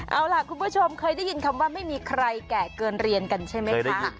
เอาล่ะคุณผู้ชมเคยได้ยินคำว่าไม่มีใครแก่เกินเรียนกันใช่ไหมคะ